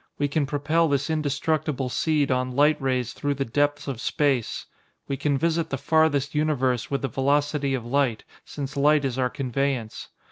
We can propel this indestructible seed on light rays through the depths of space. We can visit the farthest universe with the velocity of light, since light is our conveyance.